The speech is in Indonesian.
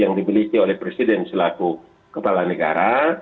yang dimiliki oleh presiden selaku kepala negara